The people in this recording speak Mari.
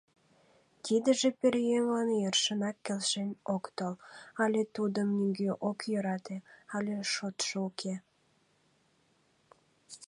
Тидыже пӧръеҥлан йӧршынак келшен ок тол: але тудым нигӧ ок йӧрате, але шотшо уке.